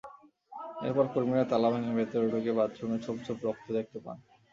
এরপর কর্মীরা তালা ভেঙে ভেতরে ঢুকে বাথরুমে ছোপ ছোপ রক্ত দেখতে পান।